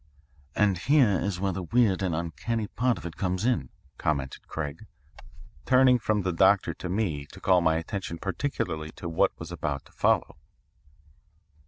"And here is where the weird and uncanny part of it comes in," commented Craig, turning from the doctor to me to call my attention particularly to what was about to follow.